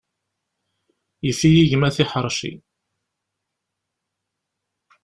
Yif-iyi gma tiḥerci.